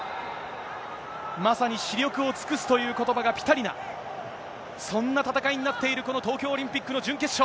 まさに死力を尽くすということばがぴたりな、そんな戦いになっている、この東京オリンピックの準決勝。